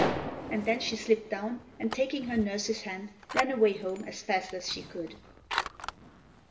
And then she slipped down, and taking her nurse's hand, ran away home as fast as she could.